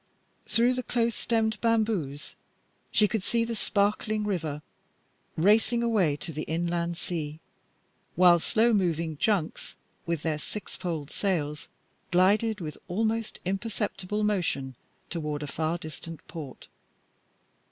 Through the close stemmed bamboos she could see the sparkling river racing away to the Inland Sea, while slow moving junks, with their sixfold sails, glided with almost imperceptible motion toward a far distant port.